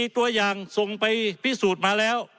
ตัวอย่างส่งไปพิสูจน์มาแล้ว